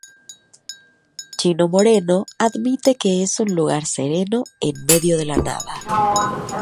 Chino Moreno admite que "es un lugar sereno, en medio de la nada".